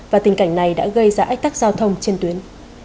và tình cảnh này đã gây ra ách tắc giao thông trên tuyến